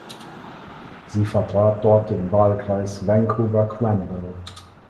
Sie vertrat dort den Wahlkreis Vancouver Granville.